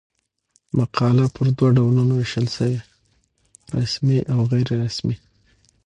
مقاله پر دوه ډولونو وېشل سوې؛ رسمي او غیري رسمي.